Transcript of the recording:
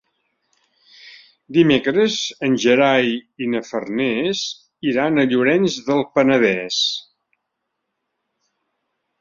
Dimecres en Gerai i na Farners iran a Llorenç del Penedès.